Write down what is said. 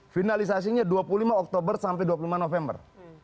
finalisasinya dua puluh lima oktober sampai dua puluh lima november